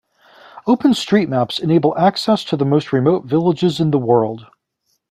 Open street maps enable access to the most remote villages in the world.